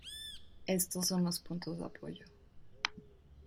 Estos son los puntos de apoyo.